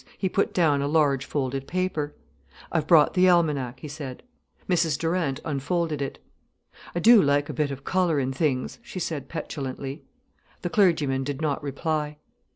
He put down a large folded paper. "I've brought the almanac," he said. Mrs Durant unfolded it. "I do like a bit of colour in things," she said, petulantly. The clergyman did not reply.